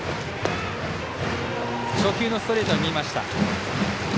初球のストレートは見ました。